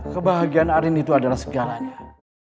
kebahagiaan arin itu adalah segalanya